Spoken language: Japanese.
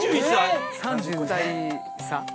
３０歳差。